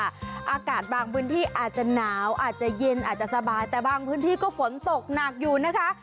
อากาศบางพื้นที่อาจจะหนาวอาจจะเย็นอาจจะสบายแต่บางพื้นที่ก็ฝนตกหนักอยู่นะคะ